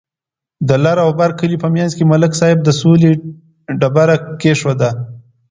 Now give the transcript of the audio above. د لر او بر کلي په منځ کې ملک صاحب د سولې تیگه کېښوده.